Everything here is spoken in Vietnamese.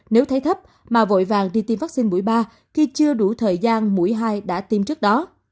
nếu thấy thấp mà vội vàng đi tiêm vaccine mũi ba khi chưa đủ thời gian mũi hai đã tiêm trước đó